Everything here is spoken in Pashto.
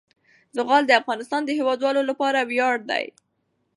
زغال د افغانستان د هیوادوالو لپاره ویاړ دی.